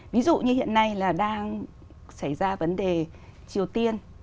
ví dụ như hiện nay là đang xảy ra vấn đề triều tiên